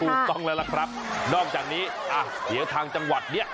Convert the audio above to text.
ถูกต้องแล้วล่ะครับนอกจากนี้อ่ะเดี๋ยวทางจังหวัดเนี่ย